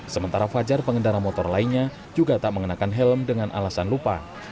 sementara fajar pengendara motor lainnya juga tak mengenakan helm dengan alasan lupa